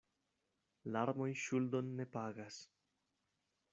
Larmoj ŝuldon ne pagas.